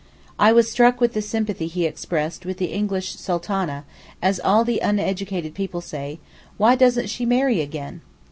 I was struck with the sympathy he expressed with the English Sultana, as all the uneducated people say, 'Why doesn't she marry again?